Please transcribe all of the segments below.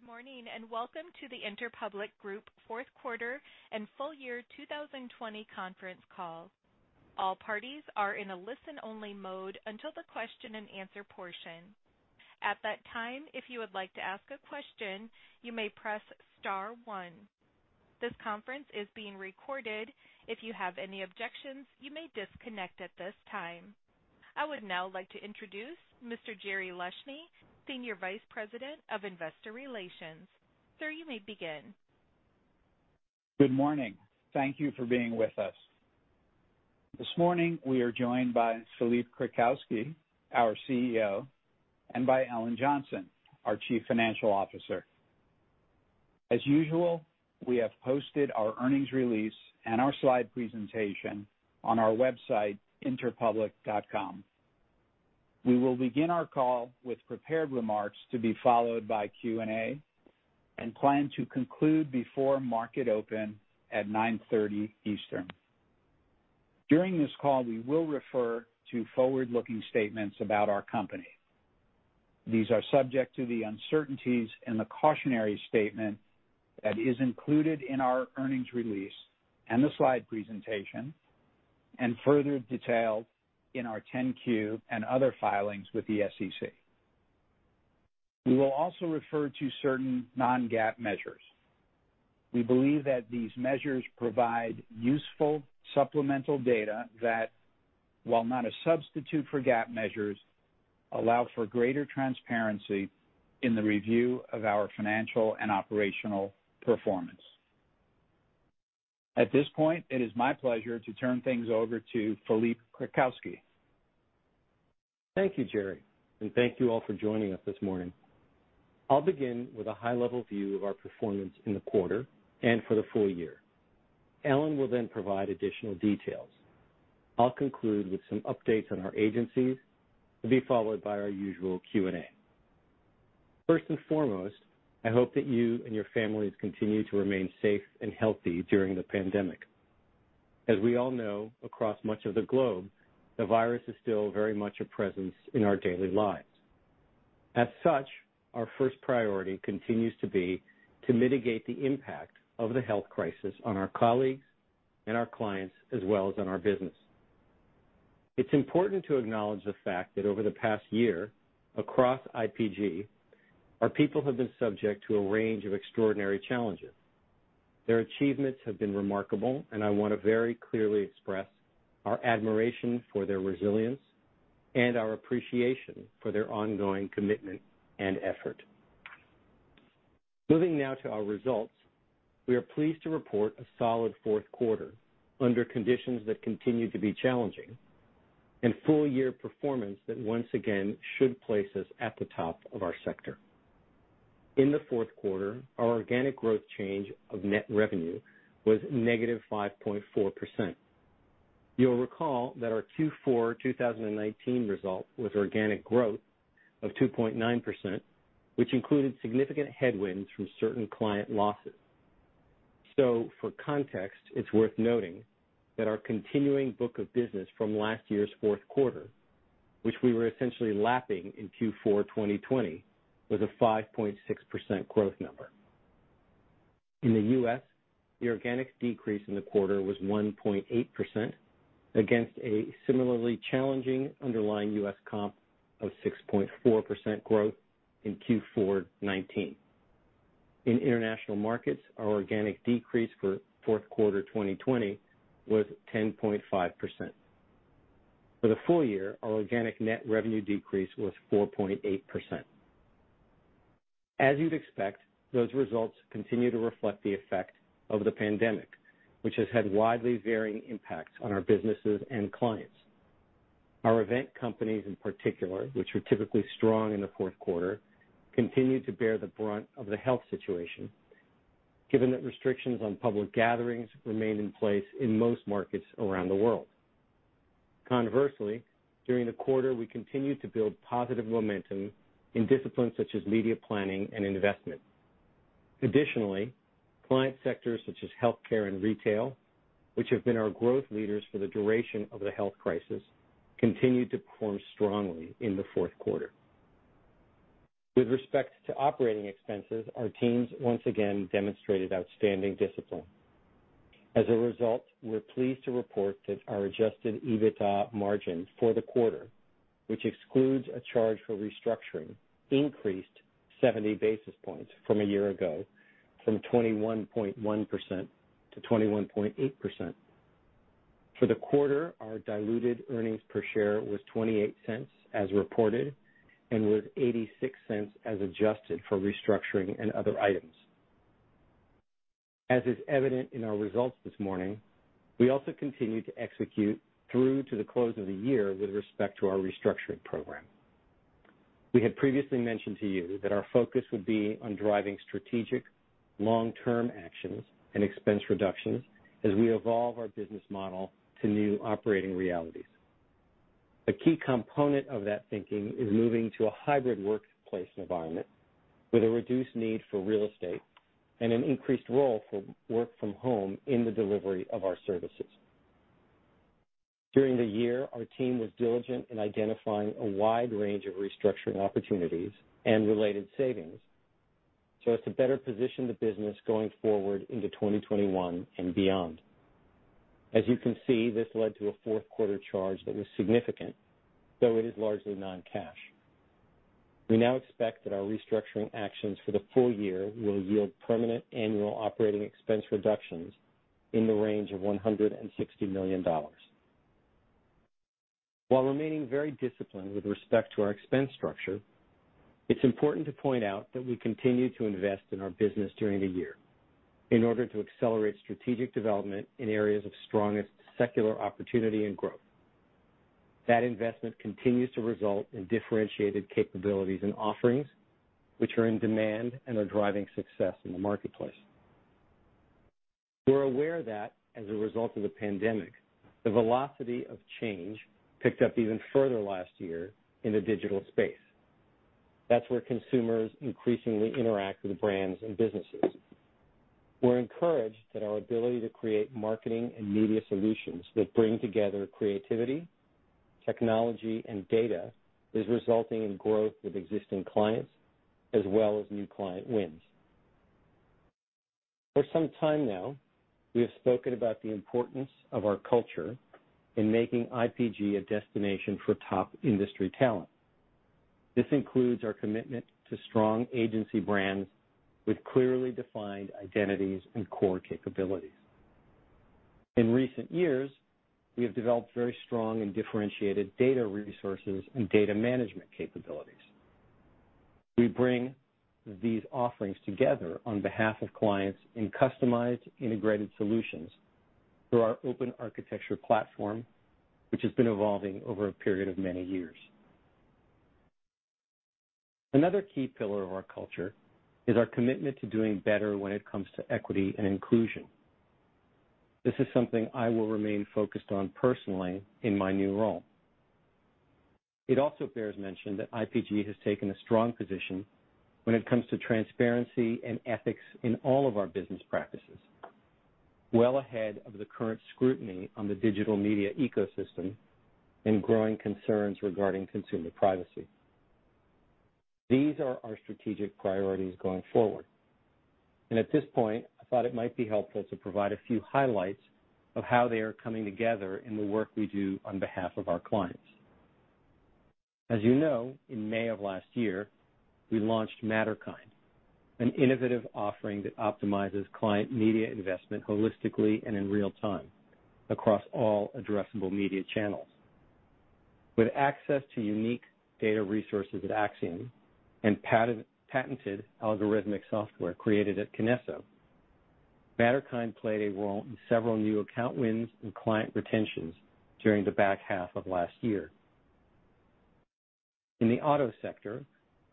Good morning and welcome to the Interpublic Group Fourth Quarter and Full Year 2020 Conference Call. All parties are in a listen-only mode until the question-and-answer portion. At that time, if you would like to ask a question, you may press star one. This conference is being recorded. If you have any objections, you may disconnect at this time. I would now like to introduce Mr. Jerry Leshne, Senior Vice President of Investor Relations. Sir, you may begin. Good morning. Thank you for being with us. This morning, we are joined by Philippe Krakowsky, our CEO, and by Ellen Johnson, our Chief Financial Officer. As usual, we have posted our earnings release and our slide presentation on our website, interpublic.com. We will begin our call with prepared remarks to be followed by Q&A and plan to conclude before market open at 9:30 A.M. Eastern. During this call, we will refer to forward-looking statements about our company. These are subject to the uncertainties in the cautionary statement that is included in our earnings release and the slide presentation and further detailed in our 10-Q and other filings with the SEC. We will also refer to certain non-GAAP measures. We believe that these measures provide useful supplemental data that, while not a substitute for GAAP measures, allow for greater transparency in the review of our financial and operational performance. At this point, it is my pleasure to turn things over to Philippe Krakowsky. Thank you, Jerry, and thank you all for joining us this morning. I'll begin with a high-level view of our performance in the quarter and for the full year. Ellen will then provide additional details. I'll conclude with some updates on our agencies to be followed by our usual Q&A. First and foremost, I hope that you and your families continue to remain safe and healthy during the pandemic. As we all know, across much of the globe, the virus is still very much a presence in our daily lives. As such, our first priority continues to be to mitigate the impact of the health crisis on our colleagues and our clients, as well as on our business. It's important to acknowledge the fact that over the past year, across IPG, our people have been subject to a range of extraordinary challenges. Their achievements have been remarkable, and I want to very clearly express our admiration for their resilience and our appreciation for their ongoing commitment and effort. Moving now to our results, we are pleased to report a solid fourth quarter under conditions that continue to be challenging and full-year performance that once again should place us at the top of our sector. In the fourth quarter, our organic growth change of net revenue was -5.4%. You'll recall that our Q4 2019 result was organic growth of 2.9%, which included significant headwinds from certain client losses. So, for context, it's worth noting that our continuing book of business from last year's fourth quarter, which we were essentially lapping in Q4 2020, was a 5.6% growth number. In the U.S., the organic decrease in the quarter was 1.8% against a similarly challenging underlying U.S. comp of 6.4% growth in Q4 2019. In international markets, our organic decrease for fourth quarter 2020 was 10.5%. For the full year, our organic net revenue decrease was 4.8%. As you'd expect, those results continue to reflect the effect of the pandemic, which has had widely varying impacts on our businesses and clients. Our event companies, in particular, which were typically strong in the fourth quarter, continued to bear the brunt of the health situation, given that restrictions on public gatherings remained in place in most markets around the world. Conversely, during the quarter, we continued to build positive momentum in disciplines such as media planning and investment. Additionally, client sectors such as healthcare and retail, which have been our growth leaders for the duration of the health crisis, continued to perform strongly in the fourth quarter. With respect to operating expenses, our teams once again demonstrated outstanding discipline. As a result, we're pleased to report that our Adjusted EBITDA margin for the quarter, which excludes a charge for restructuring, increased 70 basis points from a year ago, from 21.1% to 21.8%. For the quarter, our diluted earnings per share was $0.28 as reported and was $0.86 as adjusted for restructuring and other items. As is evident in our results this morning, we also continued to execute through to the close of the year with respect to our restructuring program. We had previously mentioned to you that our focus would be on driving strategic long-term actions and expense reductions as we evolve our business model to new operating realities. A key component of that thinking is moving to a hybrid workplace environment with a reduced need for real estate and an increased role for work from home in the delivery of our services. During the year, our team was diligent in identifying a wide range of restructuring opportunities and related savings so as to better position the business going forward into 2021 and beyond. As you can see, this led to a fourth quarter charge that was significant, though it is largely non-cash. We now expect that our restructuring actions for the full year will yield permanent annual operating expense reductions in the range of $160 million. While remaining very disciplined with respect to our expense structure, it's important to point out that we continue to invest in our business during the year in order to accelerate strategic development in areas of strongest secular opportunity and growth. That investment continues to result in differentiated capabilities and offerings which are in demand and are driving success in the marketplace. We're aware that, as a result of the pandemic, the velocity of change picked up even further last year in the digital space. That's where consumers increasingly interact with brands and businesses. We're encouraged that our ability to create marketing and media solutions that bring together creativity, technology, and data is resulting in growth with existing clients as well as new client wins. For some time now, we have spoken about the importance of our culture in making IPG a destination for top industry talent. This includes our commitment to strong agency brands with clearly defined identities and core capabilities. In recent years, we have developed very strong and differentiated data resources and data management capabilities. We bring these offerings together on behalf of clients in customized integrated solutions through our open architecture platform, which has been evolving over a period of many years. Another key pillar of our culture is our commitment to doing better when it comes to equity and inclusion. This is something I will remain focused on personally in my new role. It also bears mention that IPG has taken a strong position when it comes to transparency and ethics in all of our business practices, well ahead of the current scrutiny on the digital media ecosystem and growing concerns regarding consumer privacy. These are our strategic priorities going forward. And at this point, I thought it might be helpful to provide a few highlights of how they are coming together in the work we do on behalf of our clients. As you know, in May of last year, we launched Matterkind, an innovative offering that optimizes client media investment holistically and in real time across all addressable media channels. With access to unique data resources at Acxiom and patented algorithmic software created at KINESSO, Matterkind played a role in several new account wins and client retentions during the back half of last year. In the auto sector,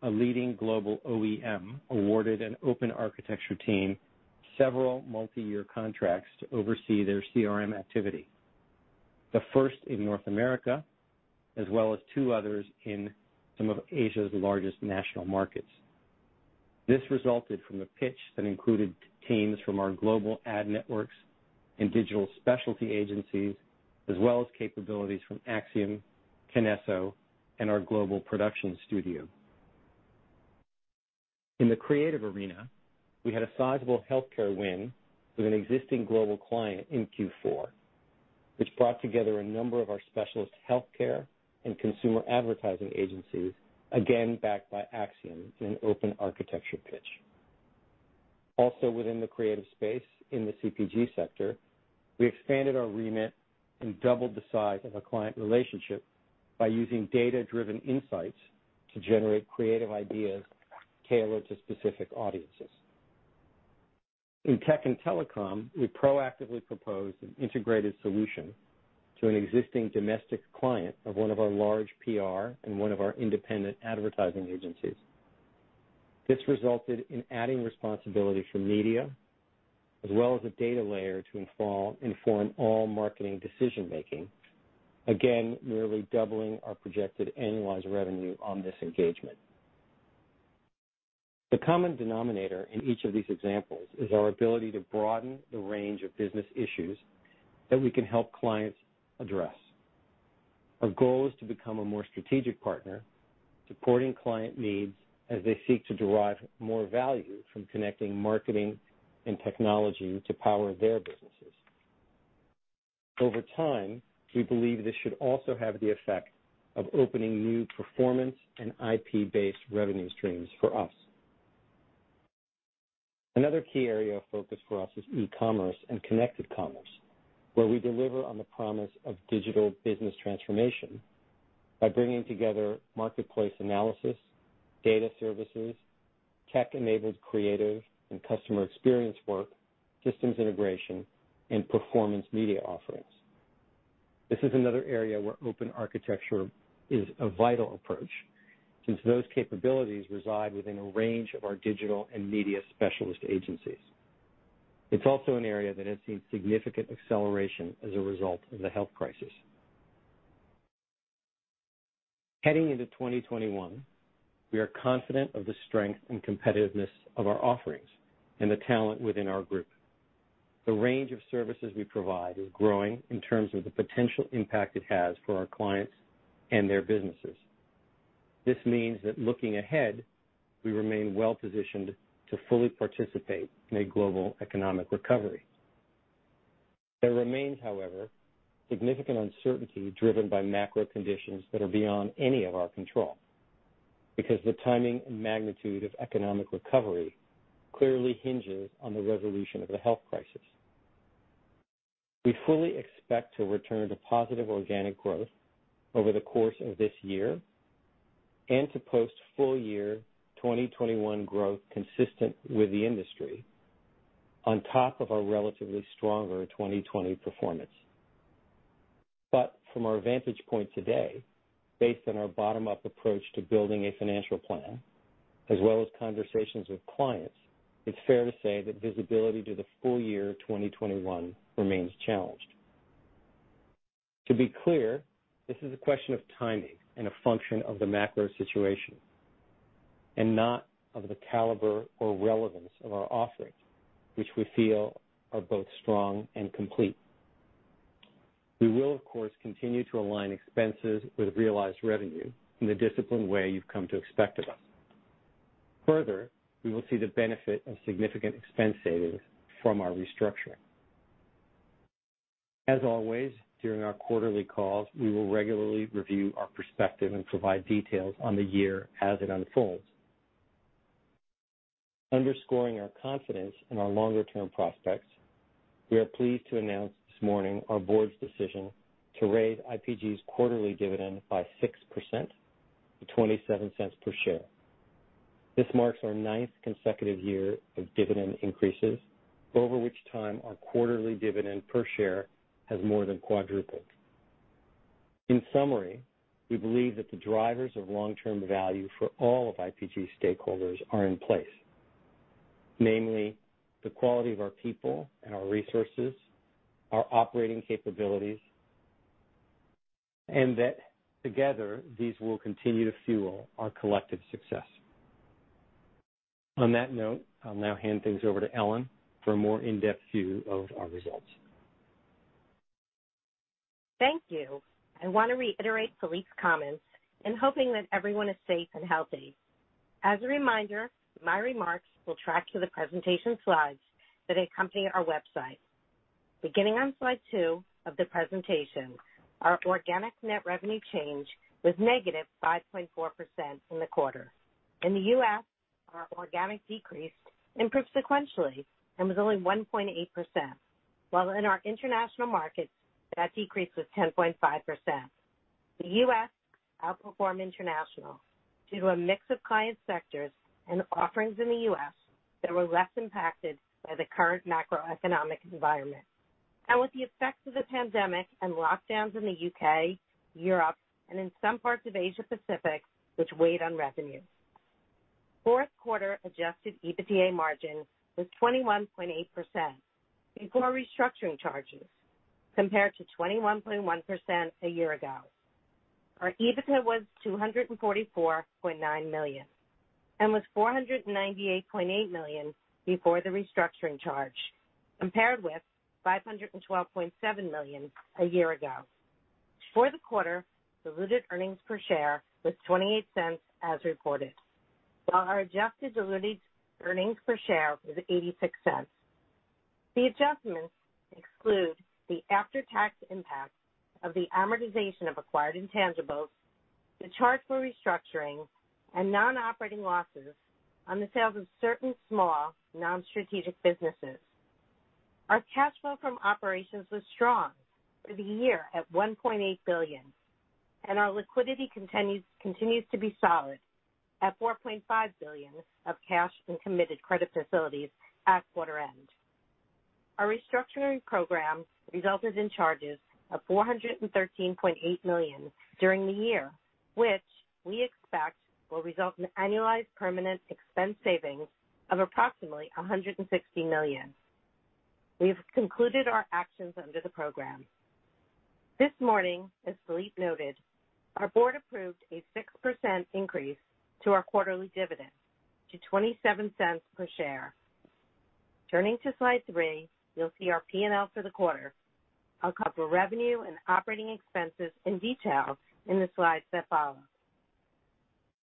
a leading global OEM awarded an open architecture team several multi-year contracts to oversee their CRM activity, the first in North America, as well as two others in some of Asia's largest national markets. This resulted from a pitch that included teams from our global ad networks and digital specialty agencies, as well as capabilities from Acxiom, KINESSO, and our global production studio. In the creative arena, we had a sizable healthcare win with an existing global client in Q4, which brought together a number of our specialist healthcare and consumer advertising agencies, again backed by Acxiom in an open architecture pitch. Also, within the creative space in the CPG sector, we expanded our remit and doubled the size of our client relationship by using data-driven insights to generate creative ideas tailored to specific audiences. In tech and telecom, we proactively proposed an integrated solution to an existing domestic client of one of our large PR and one of our independent advertising agencies. This resulted in adding responsibility for media as well as a data layer to inform all marketing decision-making, again nearly doubling our projected annualized revenue on this engagement. The common denominator in each of these examples is our ability to broaden the range of business issues that we can help clients address. Our goal is to become a more strategic partner, supporting client needs as they seek to derive more value from connecting marketing and technology to power their businesses. Over time, we believe this should also have the effect of opening new performance and IP-based revenue streams for us. Another key area of focus for us is e-commerce and connected commerce, where we deliver on the promise of digital business transformation by bringing together marketplace analysis, data services, tech-enabled creative and customer experience work, systems integration, and performance media offerings. This is another area where open architecture is a vital approach since those capabilities reside within a range of our digital and media specialist agencies. It's also an area that has seen significant acceleration as a result of the health crisis. Heading into 2021, we are confident of the strength and competitiveness of our offerings and the talent within our group. The range of services we provide is growing in terms of the potential impact it has for our clients and their businesses. This means that looking ahead, we remain well-positioned to fully participate in a global economic recovery. There remains, however, significant uncertainty driven by macro conditions that are beyond any of our control because the timing and magnitude of economic recovery clearly hinges on the resolution of the health crisis. We fully expect to return to positive organic growth over the course of this year and to post full-year 2021 growth consistent with the industry on top of our relatively stronger 2020 performance. But from our vantage point today, based on our bottom-up approach to building a financial plan as well as conversations with clients, it's fair to say that visibility to the full year 2021 remains challenged. To be clear, this is a question of timing and a function of the macro situation and not of the caliber or relevance of our offerings, which we feel are both strong and complete. We will, of course, continue to align expenses with realized revenue in the disciplined way you've come to expect of us. Further, we will see the benefit of significant expense savings from our restructuring. As always, during our quarterly calls, we will regularly review our perspective and provide details on the year as it unfolds. Underscoring our confidence in our longer-term prospects, we are pleased to announce this morning our board's decision to raise IPG's quarterly dividend by 6% to $0.27 per share. This marks our ninth consecutive year of dividend increases, over which time our quarterly dividend per share has more than quadrupled. In summary, we believe that the drivers of long-term value for all of IPG's stakeholders are in place, namely the quality of our people and our resources, our operating capabilities, and that together these will continue to fuel our collective success. On that note, I'll now hand things over to Ellen for a more in-depth view of our results. Thank you. I want to reiterate Philippe's comments in hoping that everyone is safe and healthy. As a reminder, my remarks will track to the presentation slides that accompany our website. Beginning on slide two of the presentation, our organic net revenue change was -5.4% in the quarter. In the U.S., our organic decrease improved sequentially and was only 1.8%, while in our international markets, that decrease was 10.5%. The U.S. outperformed international due to a mix of client sectors and offerings in the U.S. that were less impacted by the current macroeconomic environment and with the effects of the pandemic and lockdowns in the U.K., Europe, and in some parts of Asia-Pacific, which weighed on revenue. Fourth quarter Adjusted EBITDA margin was 21.8% before restructuring charges compared to 21.1% a year ago. Our EBITDA was $244.9 million and was $498.8 million before the restructuring charge, compared with $512.7 million a year ago. For the quarter, diluted earnings per share was $0.28 as reported, while our adjusted diluted earnings per share was $0.86. The adjustments exclude the after-tax impact of the amortization of acquired intangibles, the charge for restructuring, and non-operating losses on the sales of certain small non-strategic businesses. Our cash flow from operations was strong for the year at $1.8 billion, and our liquidity continues to be solid at $4.5 billion of cash and committed credit facilities at quarter end. Our restructuring program resulted in charges of $413.8 million during the year, which we expect will result in annualized permanent expense savings of approximately $160 million. We have concluded our actions under the program. This morning, as Philippe noted, our board approved a 6% increase to our quarterly dividend to $0.27 per share. Turning to slide three, you'll see our P&L for the quarter. I'll cover revenue and operating expenses in detail in the slides that follow.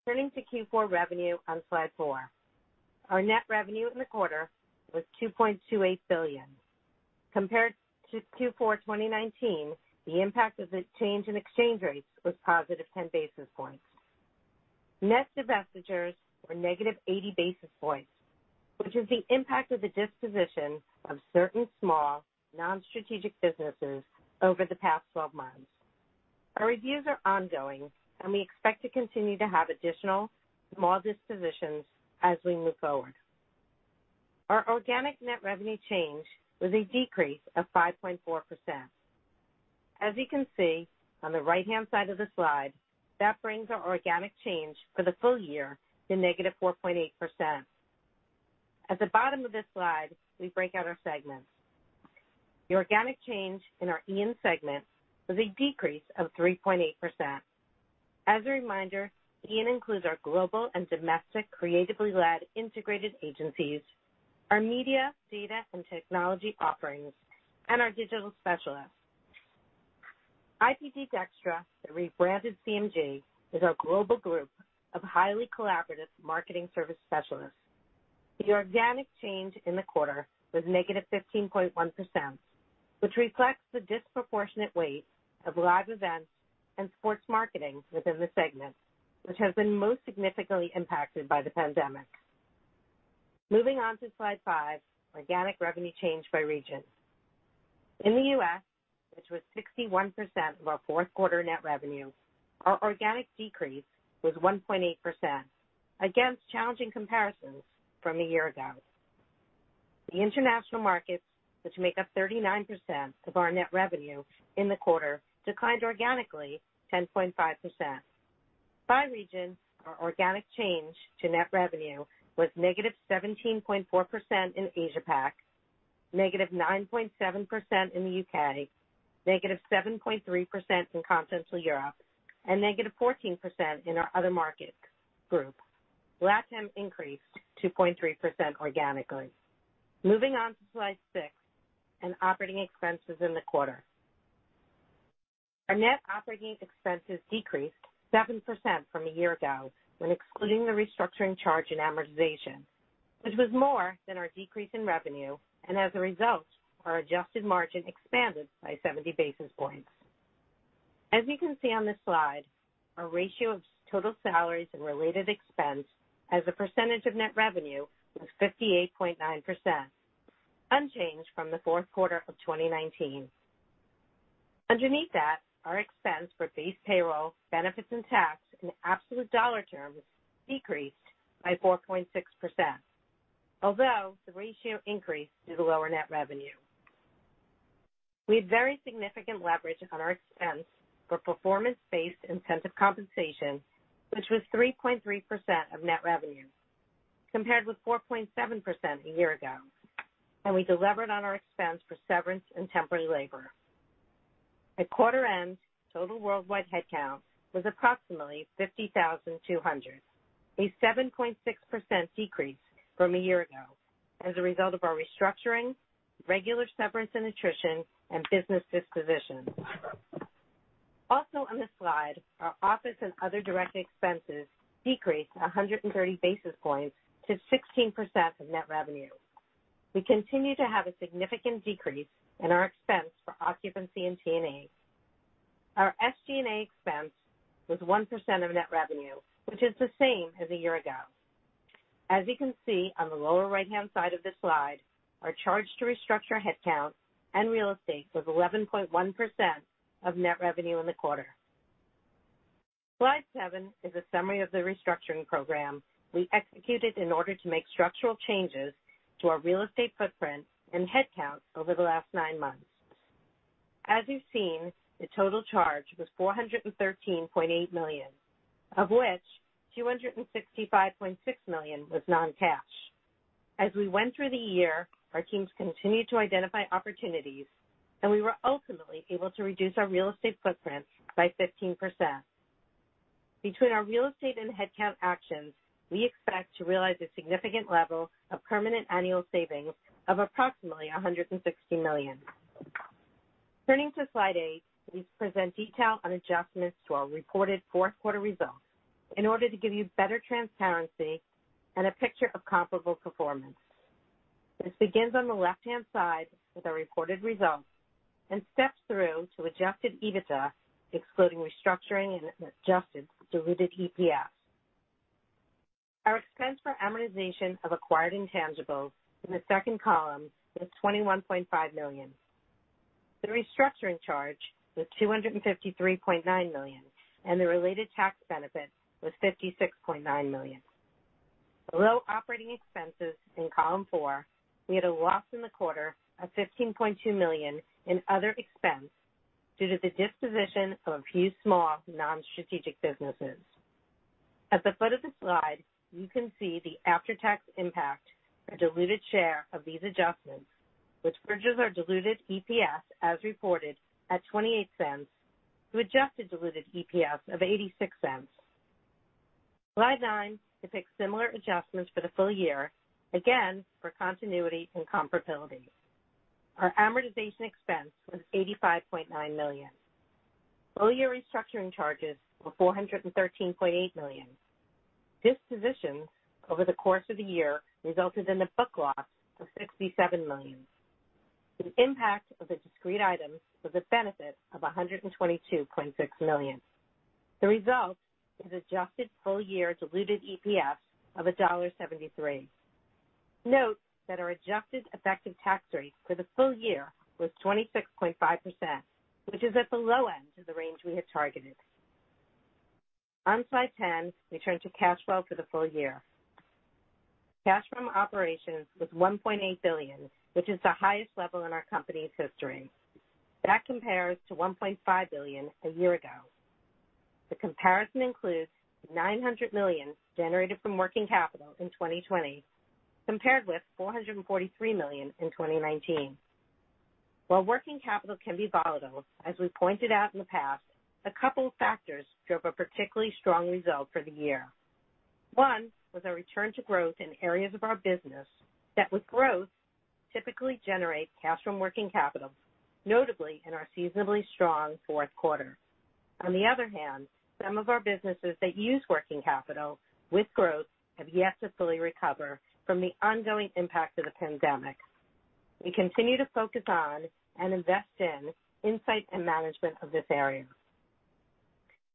Turning to Q4 revenue on slide four, our net revenue in the quarter was $2.28 billion. Compared to Q4 2019, the impact of the change in exchange rates was +10 basis points. Net divestitures were -80 basis points, which is the impact of the disposition of certain small non-strategic businesses over the past 12 months. Our reviews are ongoing, and we expect to continue to have additional small dispositions as we move forward. Our organic net revenue change was a decrease of 5.4%. As you can see on the right-hand side of the slide, that brings our organic change for the full year to -4.8%. At the bottom of this slide, we break out our segments. The organic change in our IPG segment was a decrease of 3.8%. As a reminder, IPG includes our global and domestic creatively-led integrated agencies, our media data and technology offerings, and our digital specialists. IPG DXTRA, the rebranded CMG, is our global group of highly collaborative marketing service specialists. The organic change in the quarter was -15.1%, which reflects the disproportionate weight of live events and sports marketing within the segment, which has been most significantly impacted by the pandemic. Moving on to slide five, organic revenue change by region. In the U.S., which was 61% of our fourth quarter net revenue, our organic decrease was 1.8% against challenging comparisons from a year ago. The international markets, which make up 39% of our net revenue in the quarter, declined organically 10.5%. By region, our organic change to net revenue was -17.4% in Asia-Pac, -9.7% in the U.K., -7.3% in Continental Europe, and -14% in our other market group. The latter increased 2.3% organically. Moving on to slide six, and operating expenses in the quarter. Our net operating expenses decreased 7% from a year ago when excluding the restructuring charge and amortization, which was more than our decrease in revenue, and as a result, our adjusted margin expanded by 70 basis points. As you can see on this slide, our ratio of total salaries and related expense as a percentage of net revenue was 58.9%, unchanged from the fourth quarter of 2019. Underneath that, our expense for base payroll, benefits, and tax in absolute dollar terms decreased by 4.6%, although the ratio increased due to lower net revenue. We had very significant leverage on our expense for performance-based incentive compensation, which was 3.3% of net revenue compared with 4.7% a year ago, and we delivered on our expense for severance and temporary labor. At quarter end, total worldwide headcount was approximately 50,200, a 7.6% decrease from a year ago as a result of our restructuring, regular severance and attrition, and business disposition. Also, on this slide, our office and other direct expenses decreased 130 basis points to 16% of net revenue. We continue to have a significant decrease in our expense for occupancy and T&A. Our SG&A expense was 1% of net revenue, which is the same as a year ago. As you can see on the lower right-hand side of this slide, our charge to restructure headcount and real estate was 11.1% of net revenue in the quarter. Slide seven is a summary of the restructuring program we executed in order to make structural changes to our real estate footprint and headcount over the last nine months. As you've seen, the total charge was $413.8 million, of which $265.6 million was non-cash. As we went through the year, our teams continued to identify opportunities, and we were ultimately able to reduce our real estate footprint by 15%. Between our real estate and headcount actions, we expect to realize a significant level of permanent annual savings of approximately $160 million. Turning to slide eight, we present detail on adjustments to our reported fourth quarter results in order to give you better transparency and a picture of comparable performance. This begins on the left-hand side with our reported results and steps through to Adjusted EBITDA, excluding restructuring and adjusted diluted EPS. Our expense for amortization of acquired intangibles in the second column was $21.5 million. The restructuring charge was $253.9 million, and the related tax benefit was $56.9 million. Below operating expenses in column four, we had a loss in the quarter of $15.2 million in other expense due to the disposition of a few small non-strategic businesses. At the foot of the slide, you can see the after-tax impact for diluted share of these adjustments, which bridges our diluted EPS as reported at $0.28 to adjusted diluted EPS of $0.86. Slide nine depicts similar adjustments for the full year, again for continuity and comparability. Our amortization expense was $85.9 million. Full-year restructuring charges were $413.8 million. Dispositions over the course of the year resulted in a book loss of $67 million. The impact of the discrete items was a benefit of $122.6 million. The result is adjusted full-year diluted EPS of $1.73. Note that our adjusted effective tax rate for the full year was 26.5%, which is at the low end of the range we had targeted. On slide 10, we turn to cash flow for the full year. Cash from operations was $1.8 billion, which is the highest level in our company's history. That compares to $1.5 billion a year ago. The comparison includes $900 million generated from working capital in 2020, compared with $443 million in 2019. While working capital can be volatile, as we pointed out in the past, a couple of factors drove a particularly strong result for the year. One was our return to growth in areas of our business that with growth typically generate cash from working capital, notably in our seasonally strong fourth quarter. On the other hand, some of our businesses that use working capital with growth have yet to fully recover from the ongoing impact of the pandemic. We continue to focus on and invest in insight and management of this area.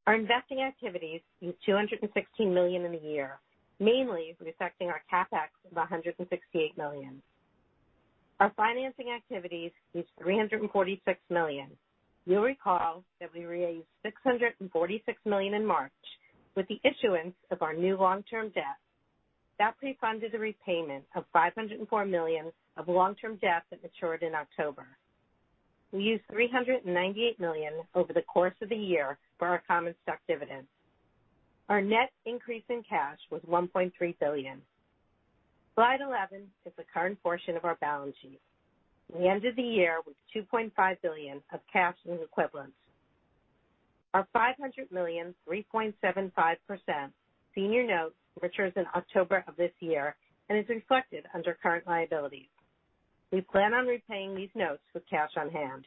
Our investing activities used $216 million in a year, mainly reflecting our CapEx of $168 million. Our financing activities used $346 million. You'll recall that we raised $646 million in March with the issuance of our new long-term debt. That pre-funded the repayment of $504 million of long-term debt that matured in October. We used $398 million over the course of the year for our common stock dividend. Our net increase in cash was $1.3 billion. Slide 11 is the current portion of our balance sheet. We ended the year with $2.5 billion of cash and equivalents. Our $500 million, 3.75%, senior note matures in October of this year and is reflected under current liabilities. We plan on repaying these notes with cash on hand.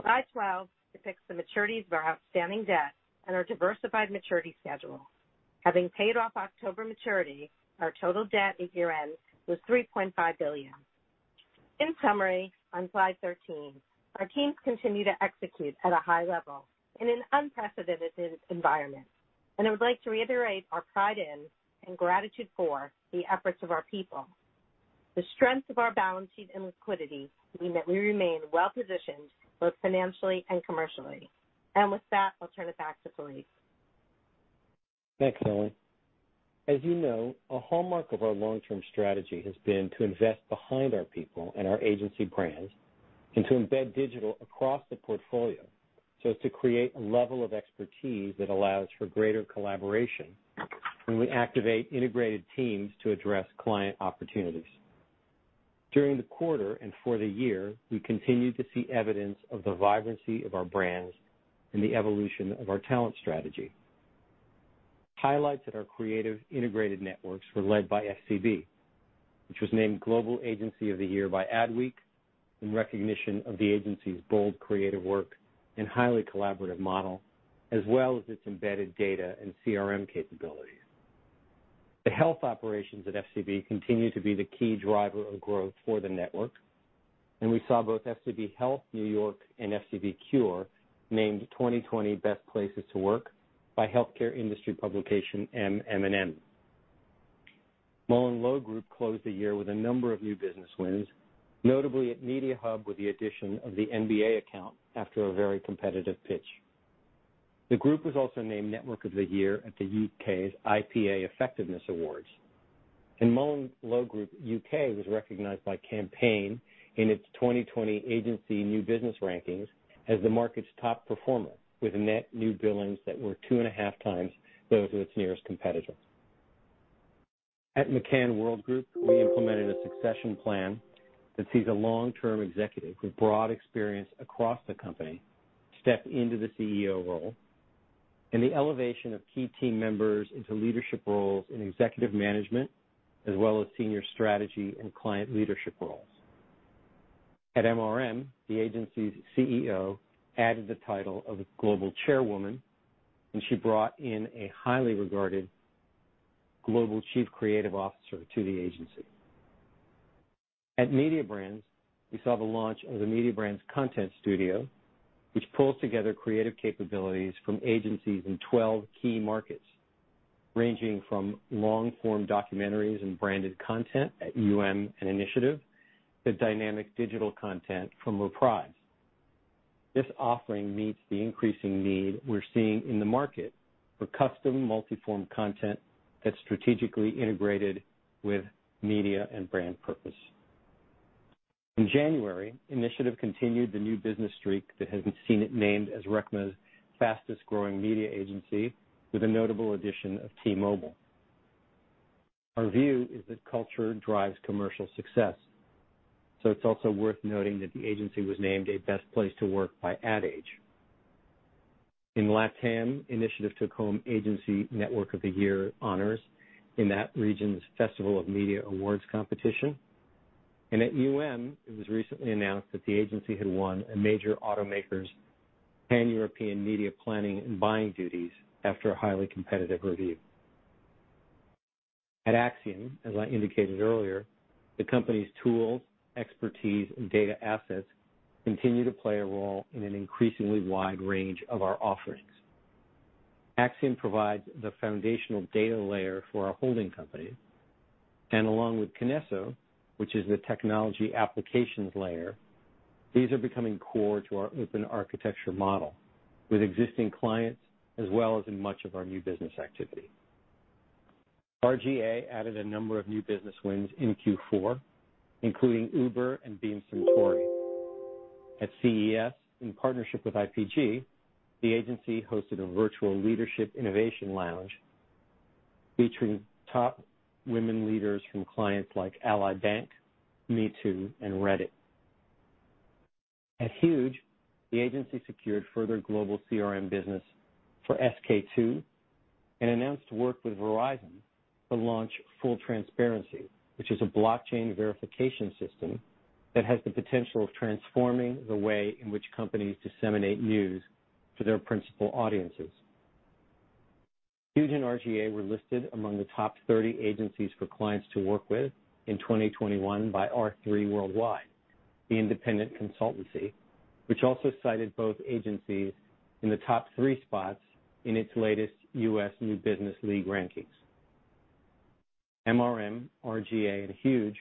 Slide 12 depicts the maturities of our outstanding debt and our diversified maturity schedule. Having paid off October maturity, our total debt at year-end was $3.5 billion. In summary, on slide 13, our teams continue to execute at a high level in an unprecedented environment, and I would like to reiterate our pride in and gratitude for the efforts of our people. The strength of our balance sheet and liquidity mean that we remain well-positioned both financially and commercially. And with that, I'll turn it back to Philippe. Thanks, Ellen. As you know, a hallmark of our long-term strategy has been to invest behind our people and our agency brands and to embed digital across the portfolio so as to create a level of expertise that allows for greater collaboration when we activate integrated teams to address client opportunities. During the quarter and for the year, we continued to see evidence of the vibrancy of our brands and the evolution of our talent strategy. Highlights at our creative integrated networks were led by FCB, which was named Global Agency of the Year by Adweek in recognition of the agency's bold creative work and highly collaborative model, as well as its embedded data and CRM capabilities. The health operations at FCB continue to be the key driver of growth for the network, and we saw both FCB Health New York and FCBCURE named 2020 Best Places to Work by Healthcare Industry Publication MM&M. MullenLowe Group closed the year with a number of new business wins, notably at Mediahub with the addition of the NBA account after a very competitive pitch. The group was also named Network of the Year at the UK's IPA Effectiveness Awards, and MullenLowe Group U.K. was recognized by Campaign in its 2020 Agency New Business Rankings as the market's top performer with net new billings that were two and a half times those of its nearest competitor. At McCann Worldgroup, we implemented a succession plan that sees a long-term executive with broad experience across the company step into the CEO role and the elevation of key team members into leadership roles in executive management, as well as senior strategy and client leadership roles. At MRM, the agency's CEO added the title of Global Chairwoman, and she brought in a highly regarded Global Chief Creative Officer to the agency. At Mediabrands, we saw the launch of the Mediabrands Content Studio, which pulls together creative capabilities from agencies in 12 key markets, ranging from long-form documentaries and branded content at Golin and Initiative to dynamic digital content from Reprise. This offering meets the increasing need we're seeing in the market for custom multiform content that's strategically integrated with media and brand purpose. In January, Initiative continued the new business streak that has seen it named as RECMA's fastest-growing media agency with a notable addition of T-Mobile. Our view is that culture drives commercial success, so it's also worth noting that the agency was named a Best Place to Work by Ad Age. In LATAM, Initiative took home Agency Network of the Year honors in that region's Festival of Media Awards competition, and it was recently announced that the agency had won a major automaker's Pan-European media planning and buying duties after a highly competitive review. At Acxiom, as I indicated earlier, the company's tools, expertise, and data assets continue to play a role in an increasingly wide range of our offerings. Acxiom provides the foundational data layer for our holding company, and along with KINESSO, which is the technology applications layer, these are becoming core to our open architecture model with existing clients as well as in much of our new business activity. R/GA added a number of new business wins in Q4, including Uber and Beam Suntory. At CES, in partnership with IPG, the agency hosted a virtual leadership innovation lounge featuring top women leaders from clients like Ally Bank, Meta, and Reddit. At Huge, the agency secured further global CRM business for SK-II and announced work with Verizon to launch Full Transparency, which is a blockchain verification system that has the potential of transforming the way in which companies disseminate news for their principal audiences. Huge and R/GA were listed among the top 30 agencies for clients to work with in 2021 by R3 Worldwide, the independent consultancy, which also cited both agencies in the top three spots in its latest U.S. New Business League rankings. MRM, R/GA, and Huge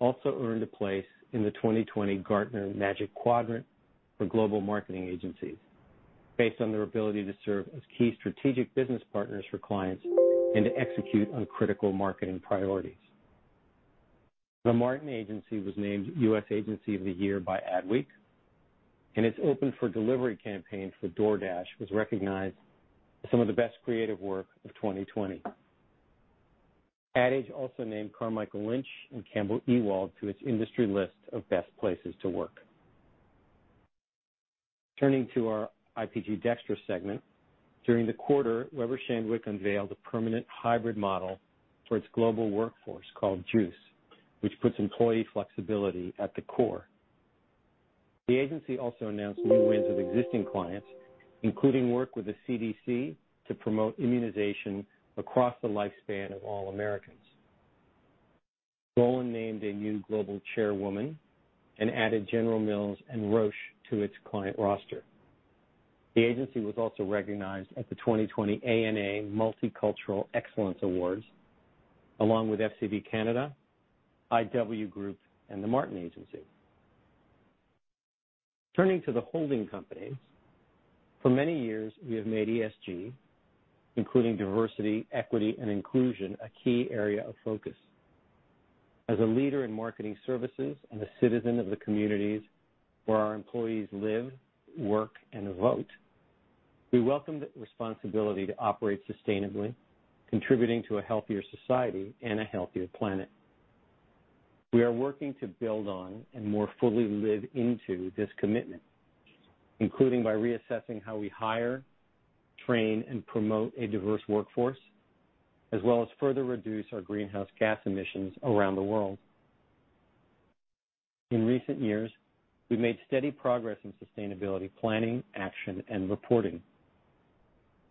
also earned a place in the 2020 Gartner Magic Quadrant for Global Marketing Agencies based on their ability to serve as key strategic business partners for clients and to execute on critical marketing priorities. The Martin Agency was named U.S. Agency of the Year by Adweek, and its Open For Delivery campaign for DoorDash was recognized as some of the best creative work of 2020. Ad Age also named Carmichael Lynch and Campbell Ewald to its industry list of best places to work. Turning to our IPG DXTRA segment, during the quarter, Weber Shandwick unveiled a permanent hybrid model for its global workforce called Juice, which puts employee flexibility at the core. The agency also announced new wins with existing clients, including work with the CDC to promote immunization across the lifespan of all Americans. Golin named a new Global Chairwoman and added General Mills and Roche to its client roster. The agency was also recognized at the 2020 ANA Multicultural Excellence Awards, along with FCB Canada, IW Group, and The Martin Agency. Turning to the holding companies, for many years, we have made ESG, including diversity, equity, and inclusion, a key area of focus. As a leader in marketing services and a citizen of the communities where our employees live, work, and vote, we welcome the responsibility to operate sustainably, contributing to a healthier society and a healthier planet. We are working to build on and more fully live into this commitment, including by reassessing how we hire, train, and promote a diverse workforce, as well as further reduce our greenhouse gas emissions around the world. In recent years, we've made steady progress in sustainability planning, action, and reporting.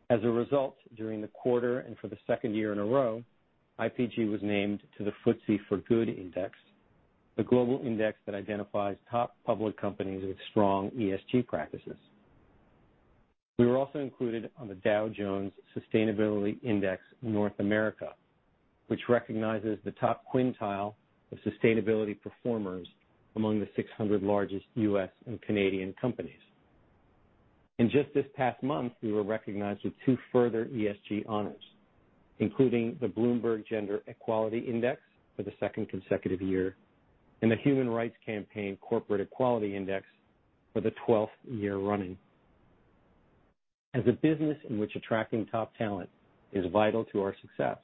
As a result, during the quarter and for the second year in a row, IPG was named to the FTSE4Good Index, a global index that identifies top public companies with strong ESG practices. We were also included on the Dow Jones Sustainability Index North America, which recognizes the top quintile of sustainability performers among the 600 largest U.S. and Canadian companies. In just this past month, we were recognized with two further ESG honors, including the Bloomberg Gender-Equality Index for the second consecutive year and the Human Rights Campaign Corporate Equality Index for the 12th year running. As a business in which attracting top talent is vital to our success,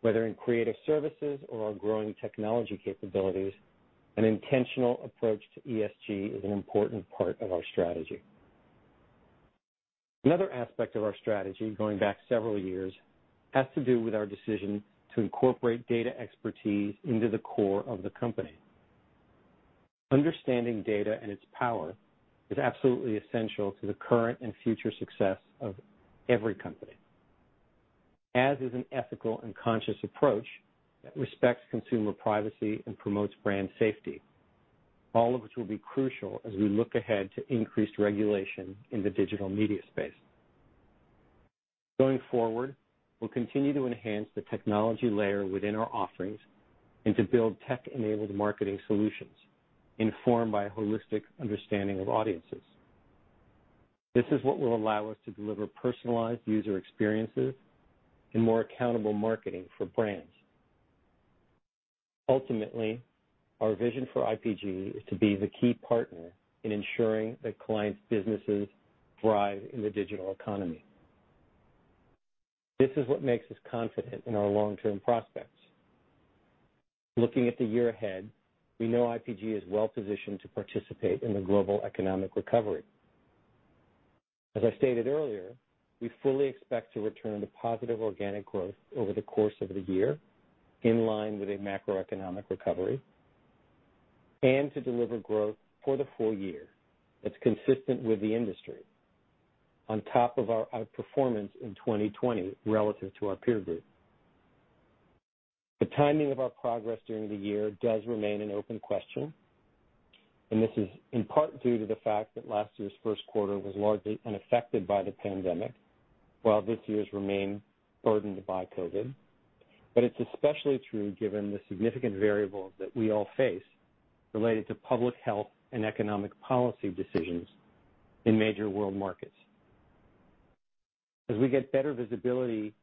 whether in creative services or our growing technology capabilities, an intentional approach to ESG is an important part of our strategy. Another aspect of our strategy, going back several years, has to do with our decision to incorporate data expertise into the core of the company. Understanding data and its power is absolutely essential to the current and future success of every company, as is an ethical and conscious approach that respects consumer privacy and promotes brand safety, all of which will be crucial as we look ahead to increased regulation in the digital media space. Going forward, we'll continue to enhance the technology layer within our offerings and to build tech-enabled marketing solutions informed by a holistic understanding of audiences. This is what will allow us to deliver personalized user experiences and more accountable marketing for brands. Ultimately, our vision for IPG is to be the key partner in ensuring that clients' businesses thrive in the digital economy. This is what makes us confident in our long-term prospects. Looking at the year ahead, we know IPG is well-positioned to participate in the global economic recovery. As I stated earlier, we fully expect to return to positive organic growth over the course of the year in line with a macroeconomic recovery and to deliver growth for the full year that's consistent with the industry on top of our outperformance in 2020 relative to our peer group. The timing of our progress during the year does remain an open question, and this is in part due to the fact that last year's first quarter was largely unaffected by the pandemic while this year's remained burdened by COVID, but it's especially true given the significant variables that we all face related to public health and economic policy decisions in major world markets. As we get better visibility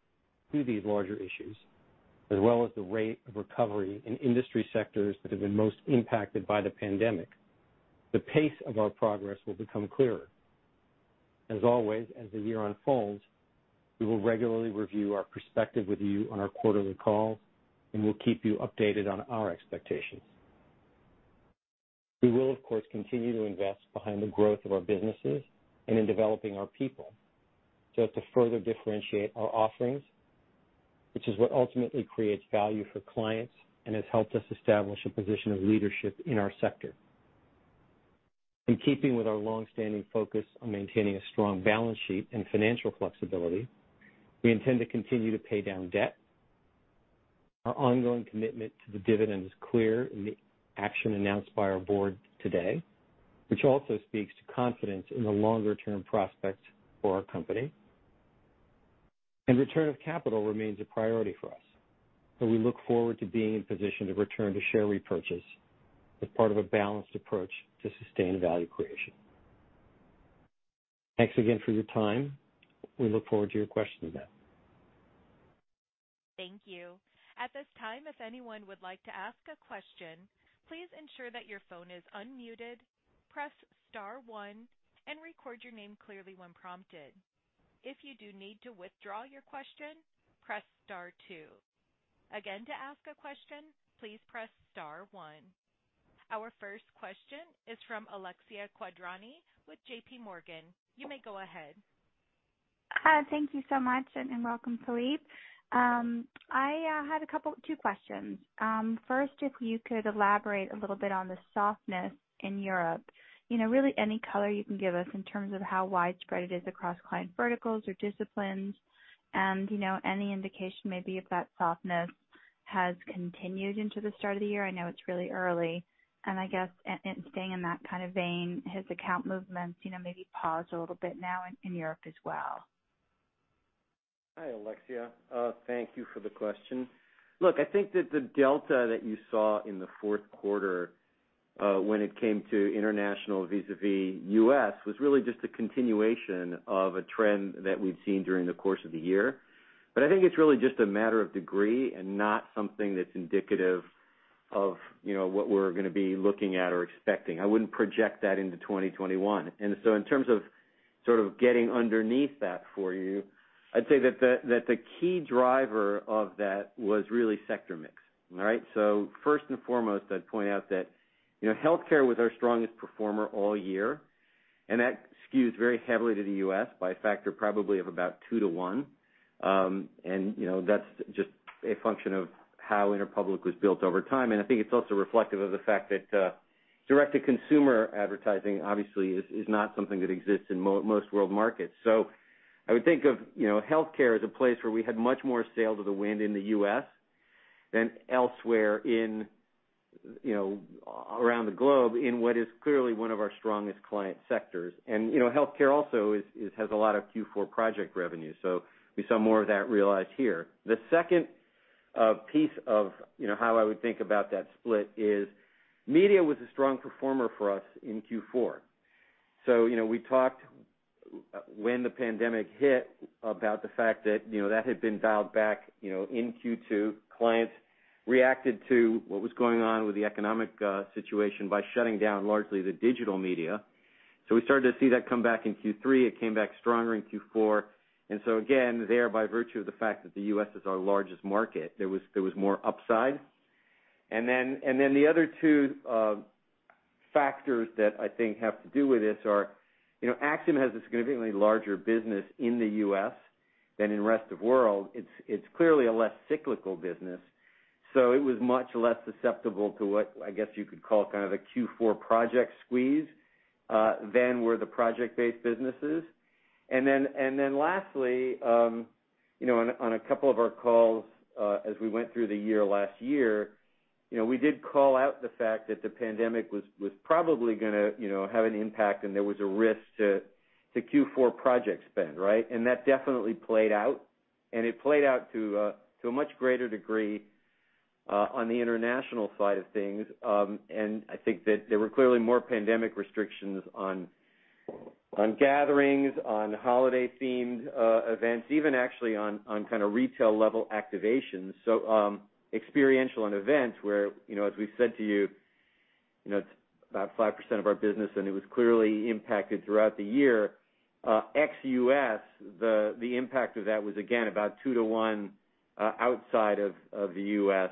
to these larger issues, as well as the rate of recovery in industry sectors that have been most impacted by the pandemic, the pace of our progress will become clearer. As always, as the year unfolds, we will regularly review our perspective with you on our quarterly calls, and we'll keep you updated on our expectations. We will, of course, continue to invest behind the growth of our businesses and in developing our people just to further differentiate our offerings, which is what ultimately creates value for clients and has helped us establish a position of leadership in our sector. In keeping with our long-standing focus on maintaining a strong balance sheet and financial flexibility, we intend to continue to pay down debt. Our ongoing commitment to the dividend is clear in the action announced by our board today, which also speaks to confidence in the longer-term prospects for our company. Return of capital remains a priority for us, so we look forward to being in position to return to share repurchase as part of a balanced approach to sustained value creation. Thanks again for your time. We look forward to your questions now. Thank you. At this time, if anyone would like to ask a question, please ensure that your phone is unmuted, press star one, and record your name clearly when prompted. If you do need to withdraw your question, press star two. Again, to ask a question, please press star one. Our first question is from Alexia Quadrani with JPMorgan. You may go ahead. Hi. Thank you so much, and welcome, Philippe. I had a couple of two questions. First, if you could elaborate a little bit on the softness in Europe, really any color you can give us in terms of how widespread it is across client verticals or disciplines and any indication maybe of that softness has continued into the start of the year. I know it's really early, and I guess staying in that kind of vein, has account movements maybe paused a little bit now in Europe as well? Hi, Alexia. Thank you for the question. Look, I think that the delta that you saw in the fourth quarter when it came to international vis-à-vis U.S. was really just a continuation of a trend that we've seen during the course of the year. But I think it's really just a matter of degree and not something that's indicative of what we're going to be looking at or expecting. I wouldn't project that into 2021. And so in terms of sort of getting underneath that for you, I'd say that the key driver of that was really sector mix, all right? So first and foremost, I'd point out that healthcare was our strongest performer all year, and that skews very heavily to the U.S. by a factor probably of about two to one. And that's just a function of how Interpublic was built over time. And I think it's also reflective of the fact that direct-to-consumer advertising, obviously, is not something that exists in most world markets. So I would think of healthcare as a place where we had much more sail to the wind in the U.S. than elsewhere around the globe in what is clearly one of our strongest client sectors. And healthcare also has a lot of Q4 project revenue, so we saw more of that realized here. The second piece of how I would think about that split is media was a strong performer for us in Q4. So we talked when the pandemic hit about the fact that that had been dialed back in Q2. Clients reacted to what was going on with the economic situation by shutting down largely the digital media. So we started to see that come back in Q3. It came back stronger in Q4. And so again, there, by virtue of the fact that the U.S. is our largest market, there was more upside. And then the other two factors that I think have to do with this are Acxiom has a significantly larger business in the U.S. than in the rest of the world. It's clearly a less cyclical business, so it was much less susceptible to what I guess you could call kind of a Q4 project squeeze than were the project-based businesses. And then lastly, on a couple of our calls as we went through the year last year, we did call out the fact that the pandemic was probably going to have an impact, and there was a risk to Q4 project spend, right? And that definitely played out, and it played out to a much greater degree on the international side of things. I think that there were clearly more pandemic restrictions on gatherings, on holiday-themed events, even actually on kind of retail-level activations, so experiential and events where, as we said to you, it's about 5% of our business, and it was clearly impacted throughout the year. Ex-US, the impact of that was, again, about two to one outside of the U.S.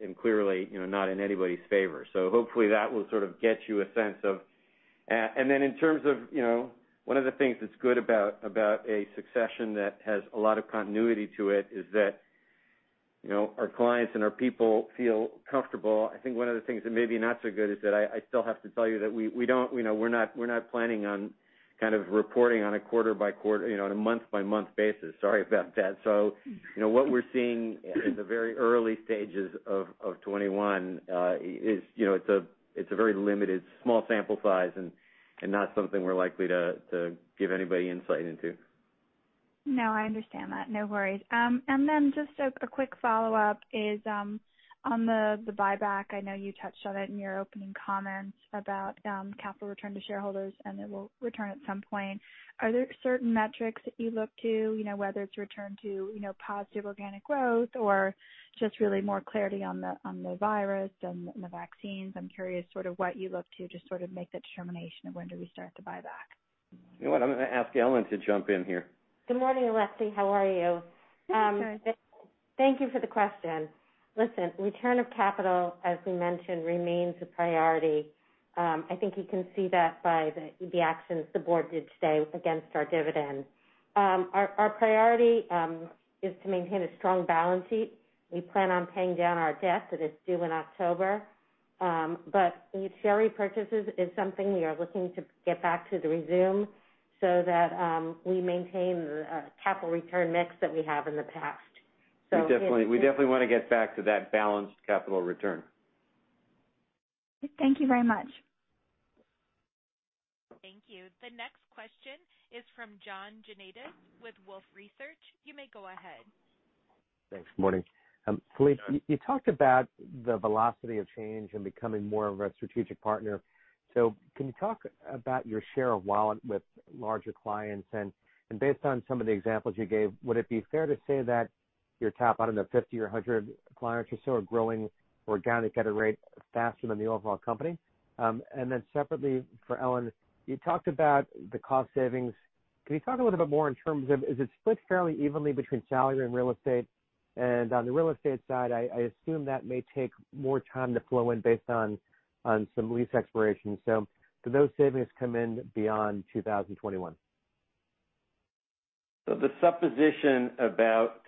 and clearly not in anybody's favor, so hopefully that will sort of get you a sense of, and then in terms of one of the things that's good about a succession that has a lot of continuity to it is that our clients and our people feel comfortable. I think one of the things that may be not so good is that I still have to tell you that we're not planning on kind of reporting on a quarter-by-quarter on a month-by-month basis. Sorry about that. So what we're seeing in the very early stages of 2021 is it's a very limited, small sample size and not something we're likely to give anybody insight into. No, I understand that. No worries. And then just a quick follow-up is on the buyback. I know you touched on it in your opening comments about capital return to shareholders, and it will return at some point. Are there certain metrics that you look to, whether it's return to positive organic growth or just really more clarity on the virus and the vaccines? I'm curious sort of what you look to just sort of make the determination of when do we start the buyback. You know what? I'm going to ask Ellen to jump in here. G ood morning, Alexia. How are you? Good. Thank you for the question. Listen, return of capital, as we mentioned, remains a priority. I think you can see that by the actions the board did today against our dividend. Our priority is to maintain a strong balance sheet. We plan on paying down our debt that is due in October, but share repurchases is something we are looking to get back to resuming so that we maintain the capital return mix that we have in the past. So we definitely want to get back to that balanced capital return. Thank you very much. Thank you. The next question is from John Janedis with Wolfe Research. You may go ahead. Thanks. Good morning. Philippe, you talked about the velocity of change and becoming more of a strategic partner. So can you talk about your share of wallet with larger clients? Based on some of the examples you gave, would it be fair to say that your top, I don't know, 50 or 100 clients or so, or growing organically at a rate faster than the overall company? Then separately for Ellen, you talked about the cost savings. Can you talk a little bit more in terms of is it split fairly evenly between salary and real estate? And on the real estate side, I assume that may take more time to flow in based on some lease expiration. Do those savings come in beyond 2021? The supposition about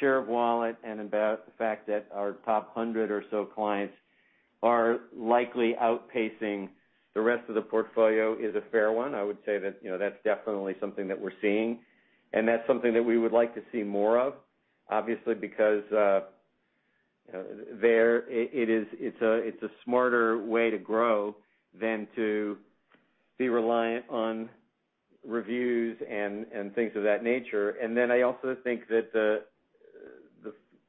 share of wallet and about the fact that our top 100 or so clients are likely outpacing the rest of the portfolio is a fair one. I would say that that's definitely something that we're seeing, and that's something that we would like to see more of, obviously, because it's a smarter way to grow than to be reliant on reviews and things of that nature. And then I also think that the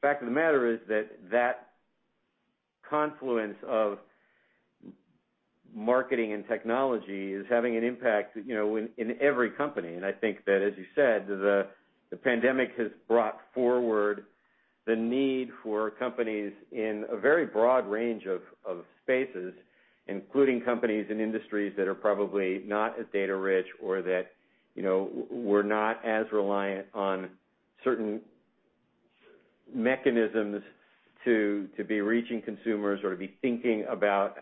fact of the matter is that that confluence of marketing and technology is having an impact in every company. And I think that, as you said, the pandemic has brought forward the need for companies in a very broad range of spaces, including companies and industries that are probably not as data-rich or that were not as reliant on certain mechanisms to be reaching consumers or to be thinking about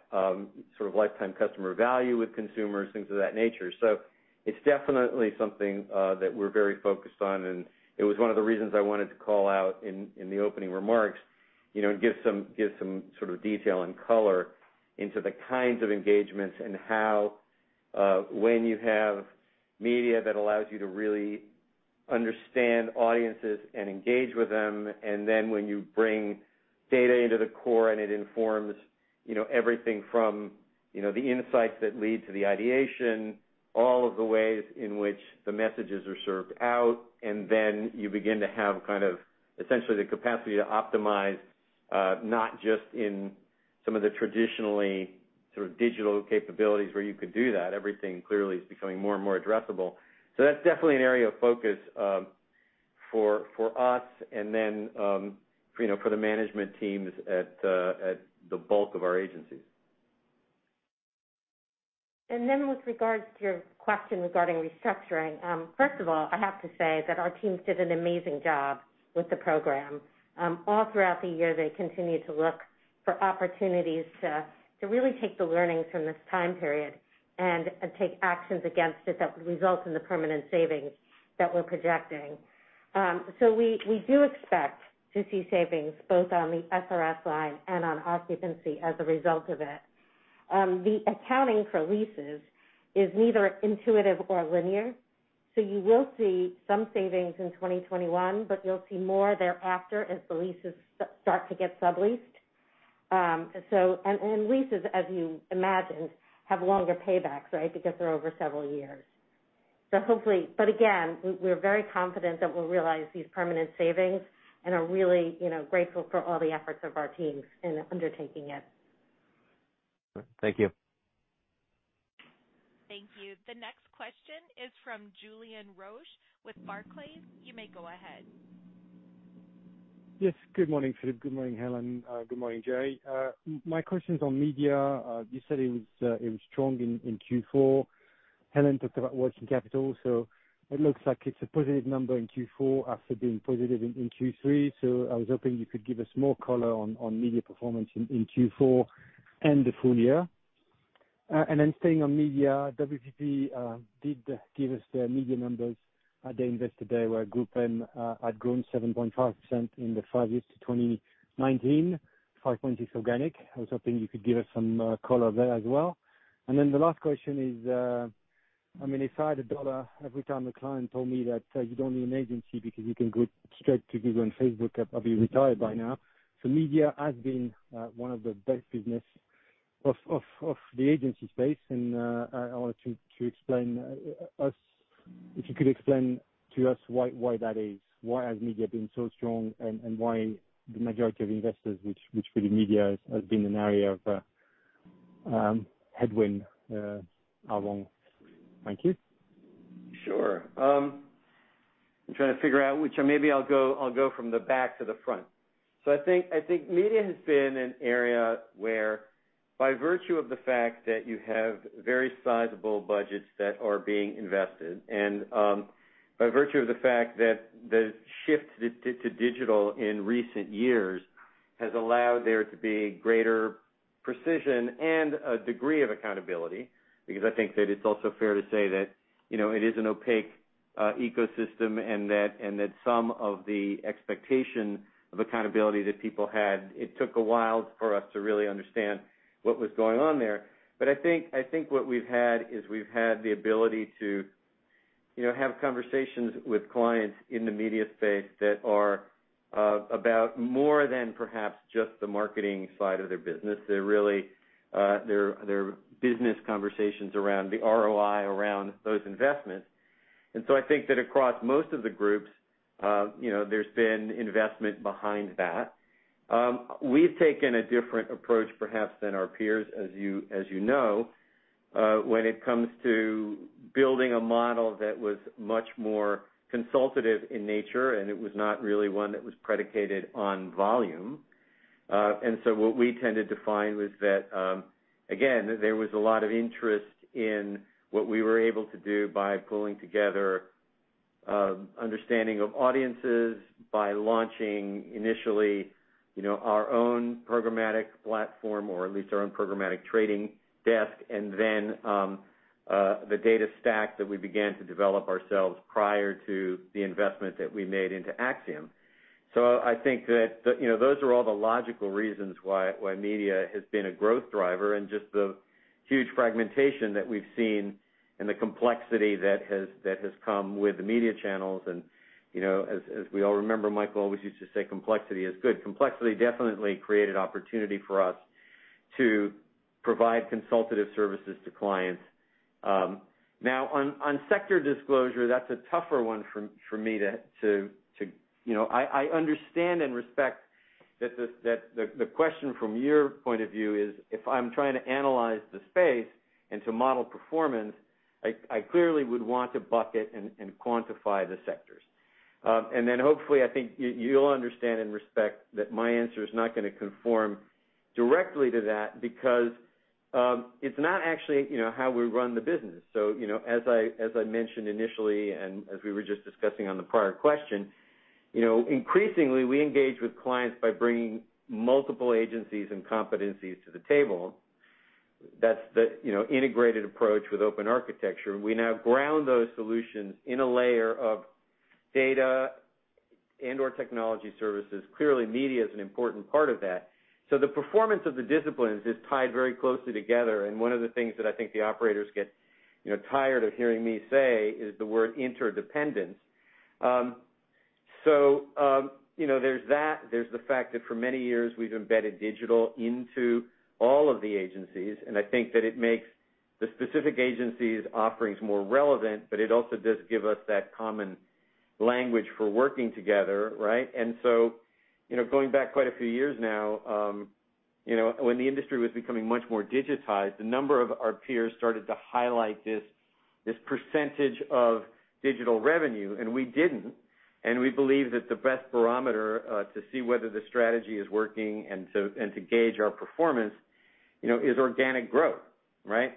sort of lifetime customer value with consumers, things of that nature. So it's definitely something that we're very focused on, and it was one of the reasons I wanted to call out in the opening remarks and give some sort of detail and color into the kinds of engagements and how when you have media that allows you to really understand audiences and engage with them, and then when you bring data into the core and it informs everything from the insights that lead to the ideation, all of the ways in which the messages are served out, and then you begin to have kind of essentially the capacity to optimize not just in some of the traditionally sort of digital capabilities where you could do that. Everything clearly is becoming more and more addressable. So that's definitely an area of focus for us and then for the management teams at the bulk of our agencies. Then, with regards to your question regarding restructuring, first of all, I have to say that our team did an amazing job with the program. All throughout the year, they continued to look for opportunities to really take the learnings from this time period and take actions against it that would result in the permanent savings that we're projecting. So we do expect to see savings both on the SRS line and on occupancy as a result of it. The accounting for leases is neither intuitive nor linear, so you will see some savings in 2021, but you'll see more thereafter as the leases start to get subleased. And leases, as you imagined, have longer paybacks, right, because they're over several years. But again, we're very confident that we'll realize these permanent savings and are really grateful for all the efforts of our teams in undertaking it. Thank you. Thank you. The next question is from Julien Roch with Barclays. You may go ahead. Yes. Good morning, Philippe. Good morning, Ellen. Good morning, Jerry. My question is on media. You said it was strong in Q4. Ellen talked about working capital, so it looks like it's a positive number in Q4 after being positive in Q3. So I was hoping you could give us more color on media performance in Q4 and the full year. And then staying on media, WPP did give us their media numbers. At their investor day, where GroupM had grown 7.5% in the five years to 2019, 5.6% organic. I was hoping you could give us some color there as well. And then the last question is, I mean, if I had a dollar every time a client told me that you don't need an agency because you can go straight to Google and Facebook, I'd be retired by now. So media has been one of the best businesses of the agency space, and I wanted to explain if you could explain to us why that is, why has media been so strong, and why the majority of investors, which really media has been an area of headwind all along. Thank you. Sure. I'm trying to figure out which maybe I'll go from the back to the front. So I think media has been an area where, by virtue of the fact that you have very sizable budgets that are being invested and by virtue of the fact that the shift to digital in recent years has allowed there to be greater precision and a degree of accountability because I think that it's also fair to say that it is an opaque ecosystem and that some of the expectation of accountability that people had, it took a while for us to really understand what was going on there. But I think what we've had is we've had the ability to have conversations with clients in the media space that are about more than perhaps just the marketing side of their business. They're business conversations around the ROI around those investments. And so I think that across most of the groups, there's been investment behind that. We've taken a different approach perhaps than our peers, as you know, when it comes to building a model that was much more consultative in nature, and it was not really one that was predicated on volume, and so what we tended to find was that, again, there was a lot of interest in what we were able to do by pulling together understanding of audiences by launching initially our own programmatic platform or at least our own programmatic trading desk and then the data stack that we began to develop ourselves prior to the investment that we made into Acxiom, so I think that those are all the logical reasons why media has been a growth driver and just the huge fragmentation that we've seen and the complexity that has come with the media channels. As we all remember, Michael always used to say, "Complexity is good." Complexity definitely created opportunity for us to provide consultative services to clients. Now, on sector disclosure, that's a tougher one for me to. I understand and respect that the question from your point of view is, if I'm trying to analyze the space and to model performance, I clearly would want to bucket and quantify the sectors. Then hopefully, I think you'll understand and respect that my answer is not going to conform directly to that because it's not actually how we run the business. As I mentioned initially and as we were just discussing on the prior question, increasingly, we engage with clients by bringing multiple agencies and competencies to the table. That's the integrated approach with open architecture. We now ground those solutions in a layer of data and/or technology services. Clearly, media is an important part of that. So the performance of the disciplines is tied very closely together. And one of the things that I think the operators get tired of hearing me say is the word interdependence. So there's that. There's the fact that for many years, we've embedded digital into all of the agencies, and I think that it makes the specific agencies' offerings more relevant, but it also does give us that common language for working together, right? And so going back quite a few years now, when the industry was becoming much more digitized, a number of our peers started to highlight this percentage of digital revenue, and we didn't. And we believe that the best barometer to see whether the strategy is working and to gauge our performance is organic growth, right?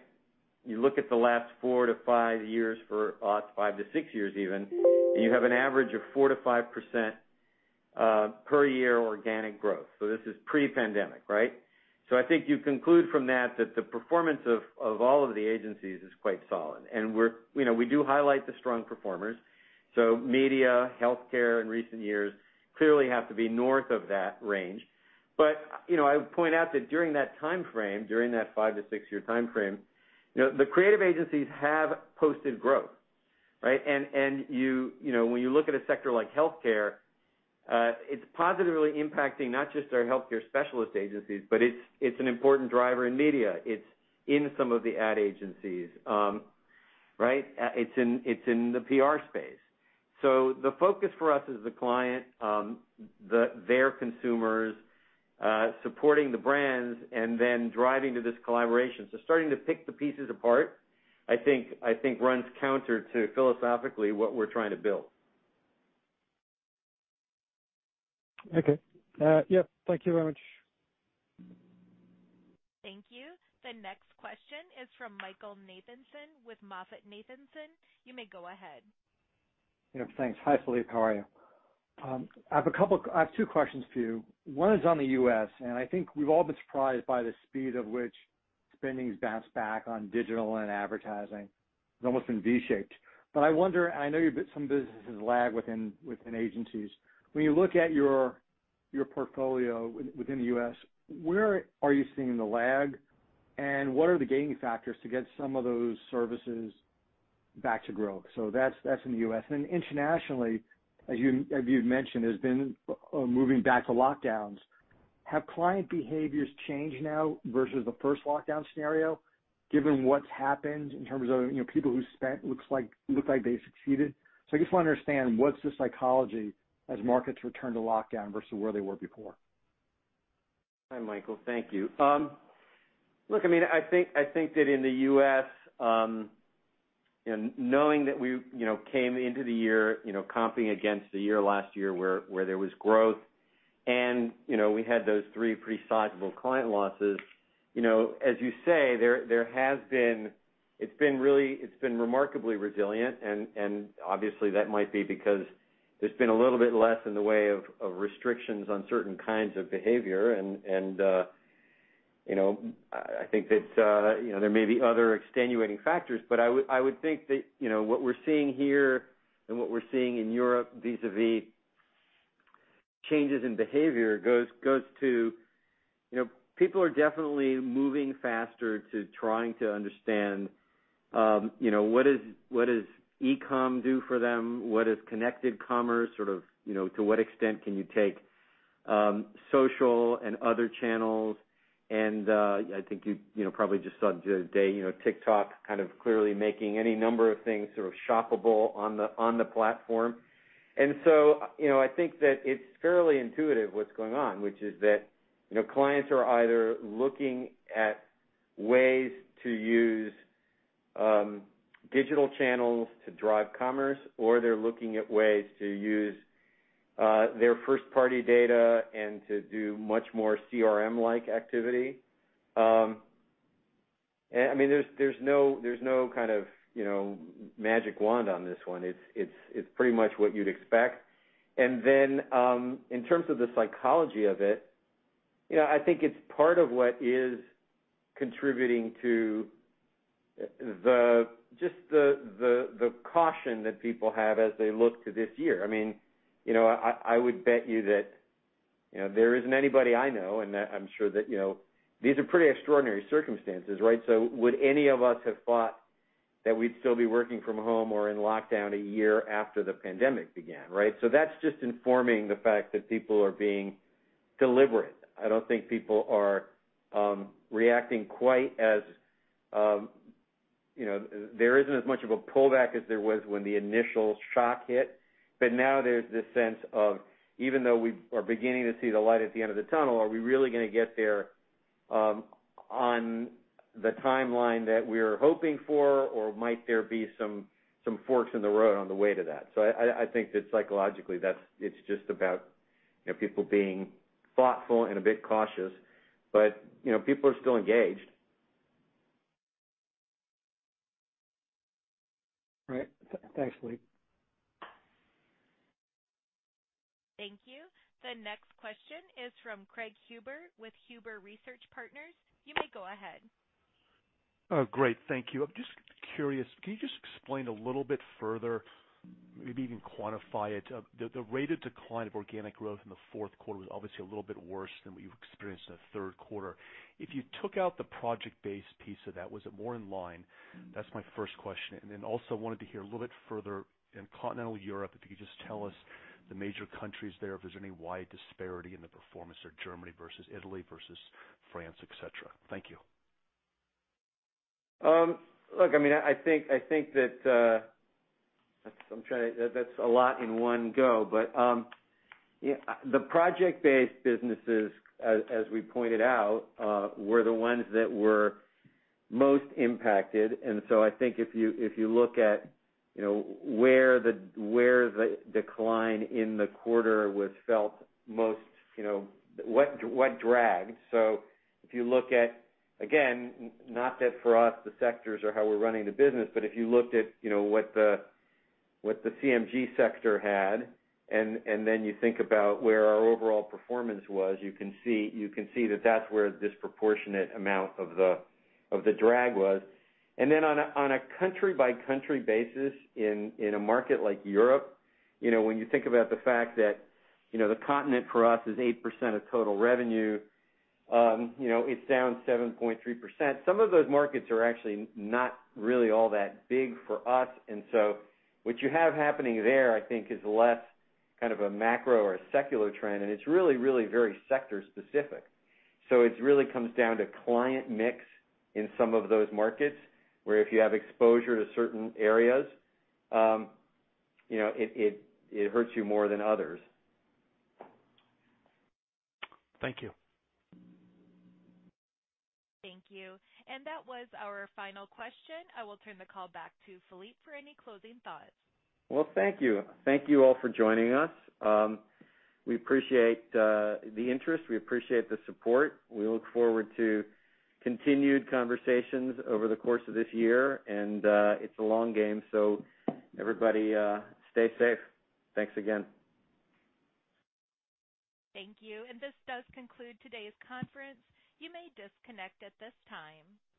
You look at the last four to five years for us, five to six years even, and you have an average of 4%-5% per year organic growth. So this is pre-pandemic, right? So I think you conclude from that that the performance of all of the agencies is quite solid. And we do highlight the strong performers. So media, healthcare in recent years clearly have to be north of that range. But I would point out that during that time frame, during that five- to six-year time frame, the creative agencies have posted growth, right? And when you look at a sector like healthcare, it's positively impacting not just our healthcare specialist agencies, but it's an important driver in media. It's in some of the ad agencies, right? It's in the PR space. So the focus for us is the client, their consumers, supporting the brands, and then driving to this collaboration. So starting to pick the pieces apart, I think, runs counter to philosophically what we're trying to build. Okay. Yeah. Thank you very much. Thank you. The next question is from Michael Nathanson with MoffettNathanson. You may go ahead. Thanks. Hi, Philippe. How are you? I have two questions for you. One is on the U.S., and I think we've all been surprised by the speed at which spending's bounced back on digital and advertising. It's almost been V-shaped. But I wonder, and I know some businesses lag within agencies. When you look at your portfolio within the US, where are you seeing the lag, and what are the gating factors to get some of those services back to growth? So that's in the US. Internationally, as you've mentioned, there's been moving back to lockdowns. Have client behaviors changed now versus the first lockdown scenario, given what's happened in terms of people who spent looked like they succeeded? So I just want to understand what's the psychology as markets return to lockdown versus where they were before? Hi, Michael. Thank you. Look, I mean, I think that in the U.S., knowing that we came into the year comping against the year last year where there was growth and we had those three pretty sizable client losses, as you say, there has been. It's been remarkably resilient. And obviously, that might be because there's been a little bit less in the way of restrictions on certain kinds of behavior. I think that there may be other extenuating factors, but I would think that what we're seeing here and what we're seeing in Europe vis-à-vis changes in behavior goes to people are definitely moving faster to trying to understand what does e-com do for them? What is connected commerce? Sort of to what extent can you take social and other channels? And I think you probably just saw the other day TikTok kind of clearly making any number of things sort of shoppable on the platform. And so I think that it's fairly intuitive what's going on, which is that clients are either looking at ways to use digital channels to drive commerce, or they're looking at ways to use their first-party data and to do much more CRM-like activity. I mean, there's no kind of magic wand on this one. It's pretty much what you'd expect. And then in terms of the psychology of it, I think it's part of what is contributing to just the caution that people have as they look to this year. I mean, I would bet you that there isn't anybody I know, and I'm sure that these are pretty extraordinary circumstances, right? So would any of us have thought that we'd still be working from home or in lockdown a year after the pandemic began, right? So that's just informing the fact that people are being deliberate. I don't think people are reacting quite as there isn't as much of a pullback as there was when the initial shock hit. But now there's this sense of, even though we are beginning to see the light at the end of the tunnel, are we really going to get there on the timeline that we're hoping for, or might there be some forks in the road on the way to that? So I think that psychologically, it's just about people being thoughtful and a bit cautious, but people are still engaged. Right. Thanks, Philippe. Thank you. The next question is from Craig Huber with Huber Research Partners. You may go ahead. Great. Thank you. I'm just curious. Can you just explain a little bit further, maybe even quantify it? The rate of decline of organic growth in the fourth quarter was obviously a little bit worse than what you experienced in the third quarter. If you took out the project-based piece of that, was it more in line? That's my first question. And then also wanted to hear a little bit further in Continental Europe, if you could just tell us the major countries there, if there's any wide disparity in the performance of Germany versus Italy versus France, etc. Thank you. Look, I mean, I think that I'm trying to. That's a lot in one go. But the project-based businesses, as we pointed out, were the ones that were most impacted. And so I think if you look at where the decline in the quarter was felt most, what dragged. So if you look at, again, not that for us, the sectors are how we're running the business, but if you looked at what the CMG sector had, and then you think about where our overall performance was, you can see that that's where the disproportionate amount of the drag was. Then on a country-by-country basis in a market like Europe, when you think about the fact that the continent for us is 8% of total revenue, it's down 7.3%. Some of those markets are actually not really all that big for us. And so what you have happening there, I think, is less kind of a macro or a secular trend, and it's really, really very sector-specific. So it really comes down to client mix in some of those markets where if you have exposure to certain areas, it hurts you more than others. Thank you. Thank you. And that was our final question. I will turn the call back to Philippe for any closing thoughts. Well, thank you. Thank you all for joining us. We appreciate the interest. We appreciate the support. We look forward to continued conversations over the course of this year. And it's a long game. So everybody stay safe. Thanks again. Thank you. And this does conclude today's conference. You may disconnect at this time.